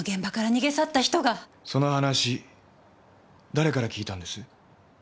その話誰から聞いたんです？